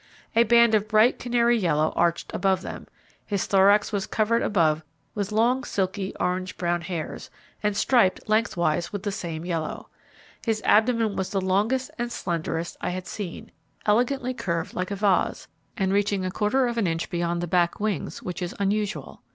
A band of bright canary yellow arched above them, his thorax was covered above with long silky, orange brown hairs, and striped lengthwise with the same yellow. His abdomen was the longest and slenderest I had seen, elegantly curved like a vase, and reaching a quarter of an inch beyond the back wings, which is unusual.